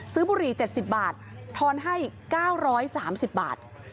บุหรี่๗๐บาททอนให้๙๓๐บาท